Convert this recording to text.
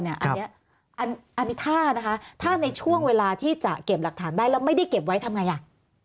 อันนี้ถ้านะคะถ้าในช่วงเวลาที่จะเก็บหลักฐานได้แล้วไม่ได้เก็บไว้ทำไงอ่ะ